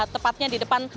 tepatnya di depan